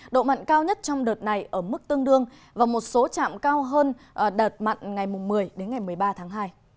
độ mặn cao nhất trong đợt này ở mức tương đương và một số trạm cao hơn đợt mặn ngày một mươi đến ngày một mươi ba tháng hai